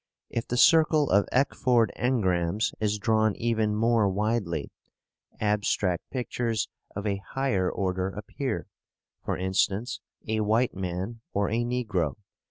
If the circle of ekphored engrams is drawn even more widely, abstract pictures of a higher order appear: for instance, a white man or a negro.